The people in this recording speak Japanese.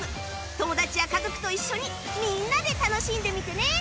友達や家族と一緒にみんなで楽しんでみてね！